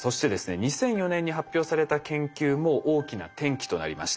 ２００４年に発表された研究も大きな転機となりました。